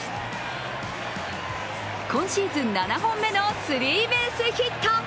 今シーズン７本目のスリーベースヒット。